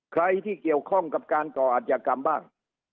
ใครที่เกี่ยวข้องกับการก่ออาจยากรรมบ้าง